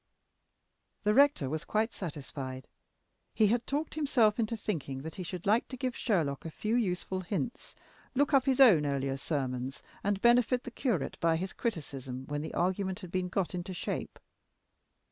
The rector was quite satisfied. He had talked himself into thinking that he should like to give Sherlock a few useful hints, look up his own earlier sermons, and benefit the curate by his criticism, when the argument had been got into shape.